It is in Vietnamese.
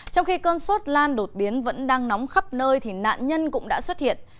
trong khi cơn sốt lan đột biến vẫn đang nóng khắp nơi thì nạn nhân cũng đã xuất hiện